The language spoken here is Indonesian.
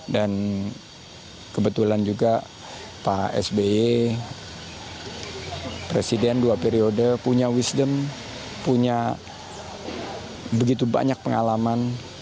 dan kebetulan juga pak sbe presiden dua periode punya wisdom punya begitu banyak pengalaman